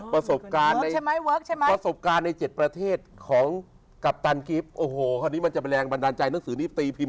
เวิร์คใช่ไหมเวิร์คใช่ไหม